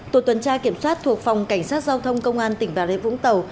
tổ tuần tra kiểm soát thuộc phòng cảnh sát giao thông công an tỉnh bà rê vũng tàu